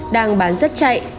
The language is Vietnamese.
đang bán rất chạy